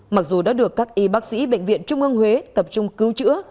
mặc dù đã được các y bác sĩ bệnh viện trung ương huế tập trung cứu chữa